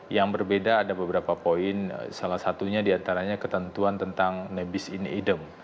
yang berbeda ada beberapa poin salah satunya diantaranya ketentuan tentang nebis in idem